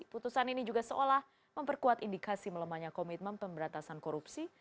putusan ini juga seolah memperkuat indikasi melemahnya komitmen pemberantasan korupsi